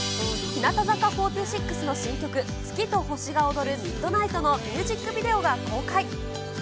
日向坂４６の新曲、月と星が踊るＭｉｄｎｉｇｈｔのミュージックビデオが公開。